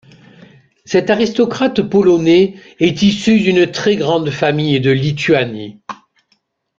Cet aristocrate polonais est issu d'une très grande famille de Lituanie.